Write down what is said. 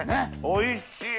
おいしい！